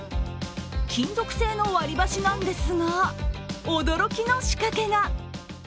金属製の割り箸なんですが、驚きの仕掛けが。